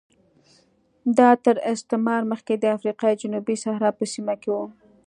دا تر استعمار مخکې د افریقا جنوبي صحرا په سیمه کې و